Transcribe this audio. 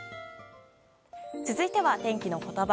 続いては天気のことば。